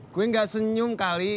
gue gak senyum kali